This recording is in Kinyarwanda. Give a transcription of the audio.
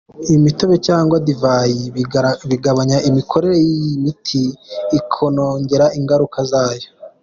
Imitobe cyangwa divayi bigabanya imikorere y’iyi miti ikanongera ingaruka zayo.